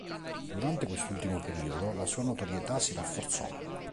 Durante quest'ultimo periodo la sua notorietà si rafforzò.